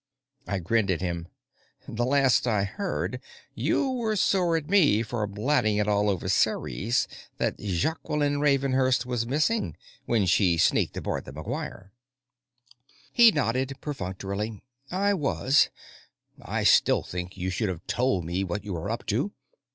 I grinned at him. "The last I heard, you were sore at me for blatting it all over Ceres that Jaqueline Ravenhurst was missing, when she sneaked aboard McGuire." He nodded perfunctorily. "I was. I still think you should have told me what you were up to.